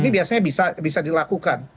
ini biasanya bisa dilakukan